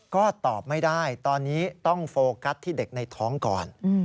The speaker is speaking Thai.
ก็ตอบไม่ได้ตอนนี้ต้องโฟกัสที่เด็กในท้องก่อน